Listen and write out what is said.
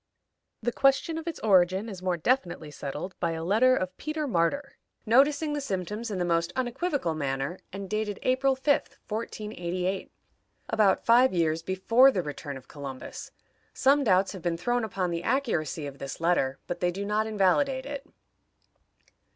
The question of its origin is more definitely settled by a letter of Peter Martyr, noticing the symptoms in the most unequivocal manner, and dated April 5, 1488, about five years before the return of Columbus. Some doubts have been thrown upon the accuracy of this letter, but they do not invalidate it.